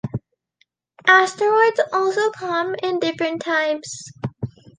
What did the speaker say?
Asteroids also come in different types.